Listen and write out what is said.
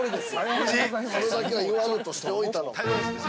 夫人、それだけは言わぬとしておいたの。